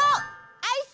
アイス！